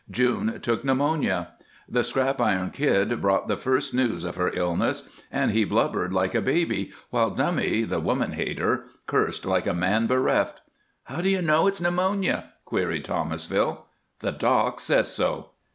June took pneumonia! The Scrap Iron Kid brought the first news of her illness, and he blubbered like a baby, while Dummy, the woman hater, cursed like a man bereft. "How d'you know it's pneumonia?" queried Thomasville. "The doc says so.